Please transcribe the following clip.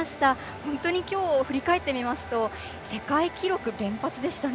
本当にきょうを振り返ってみますと世界記録連発でしたね。